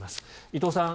伊藤さん